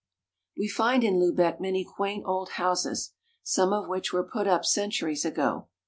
20I We find in Lubeck many quaint old houses, some of which were put up centuries ago.